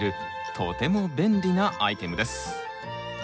とても便利なアイテムです。